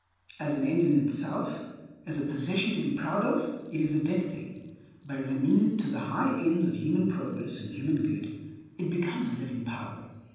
As an end in itself, as a possession to be proud of, it is a dead thing; but as a means to the high ends of human progress and human good it becomes a living power.